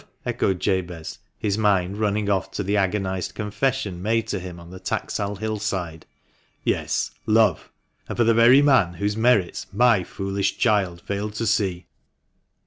" echoed Jabez, his mind running off to the agonised confession made to him on the Taxal hillside. "Yes, love, and for the very man whose merits my foolish child failed to see."